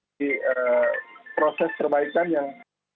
di proses perbaikan yang